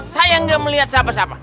saya nggak melihat siapa siapa